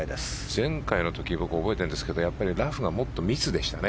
前回の時よく覚えてるんですけどやっぱりラフがもっと密でしたね。